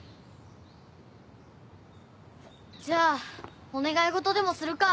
じゃあお願い事でもするか。